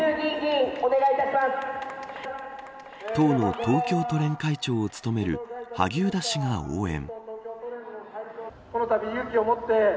党の東京都連会長を務める萩生田氏が応援。